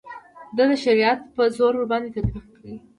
د ده شریعت په زور ورباندې تطبیق کړي.